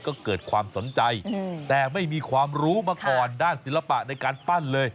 ก็เกิดความสนใจแต่ไม่มีความรู้มาก่อนด้านศิลปะในการปั้นเลย